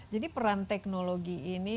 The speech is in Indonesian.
jadi peran teknologi ini